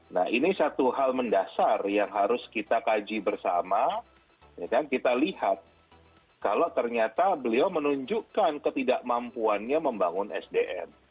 nah ini satu hal mendasar yang harus kita kaji bersama kita lihat kalau ternyata beliau menunjukkan ketidakmampuannya membangun sdm